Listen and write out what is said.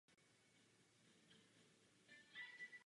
Vstup do muzea je volný.